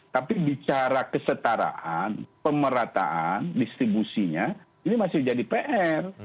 tapi bicara kesetaraan pemerataan distribusinya ini masih jadi pr